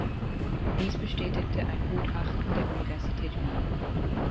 Dies bestätigte ein Gutachten der Universität Wien.